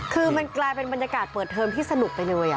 คือมันกลายเป็นบรรยากาศเปิดเทอมที่สนุกไปเลย